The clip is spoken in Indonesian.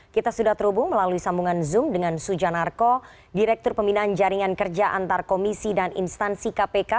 kita sudah terhubung melalui sambungan zoom dengan sujanarko direktur pembinaan jaringan kerja antar komisi dan instansi kpk